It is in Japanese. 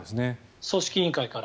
組織委員会から。